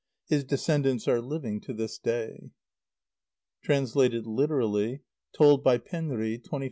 His descendants are living to this day. (Translated literally. Told by Penri, 21st July, 1886.)